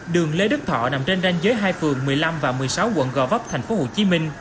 đường lê đức thọ nằm trên ranh giới hai phường một mươi năm và một mươi sáu quận gò vấp tp hcm